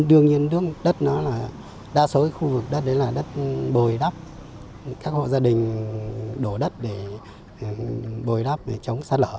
đương nhiên nước đất nó là đa số khu vực đất đấy là đất bồi đắp các hộ gia đình đổ đất để bồi đắp để chống sạt lở